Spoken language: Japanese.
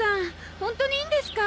ホントにいいんですか？